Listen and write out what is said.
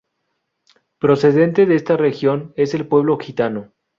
Procedente de esta región es el pueblo gitano.